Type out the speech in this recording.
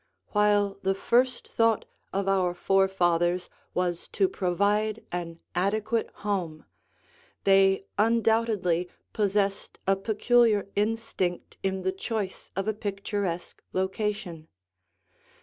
While the first thought of our forefathers was to provide an adequate home, they undoubtedly possessed a peculiar instinct in the choice of a picturesque location.